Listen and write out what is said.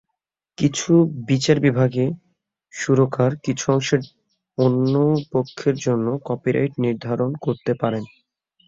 কিছু বিচার বিভাগে, সুরকার কিছু অংশে অন্য পক্ষের জন্য কপিরাইট নির্ধারণ করতে পারেন।